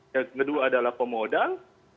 yang kedua adalah pemodal